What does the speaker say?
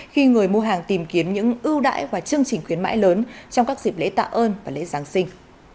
khi người mua hàng tìm kiếm những ưu đãi và chương trình khuyến mãi lớn trong các dịp lễ tạ ơn và lễ giáng sinh